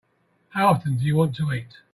How often do you want to eat?